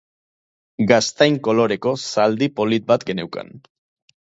Gaztain koloreko zaldi poli bat geneukan.